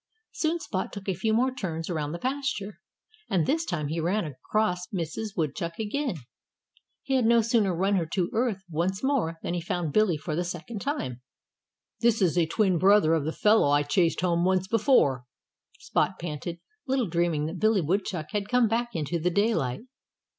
Soon Spot took a few more turns around the pasture. And this time he ran across Mrs. Woodchuck again. He had no sooner run her to earth once more than he found Billy for the second time. "This is a twin brother of the fellow I chased home once before," Spot panted, little dreaming that Billy Woodchuck had come back into the daylight.